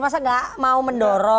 masa gak mau mendorong